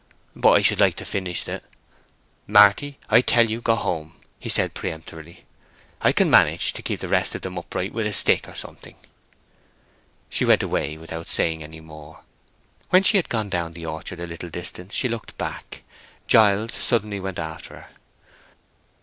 "But I should like to finish the—" "Marty, I tell you to go home," said he, peremptorily. "I can manage to keep the rest of them upright with a stick or something." She went away without saying any more. When she had gone down the orchard a little distance she looked back. Giles suddenly went after her.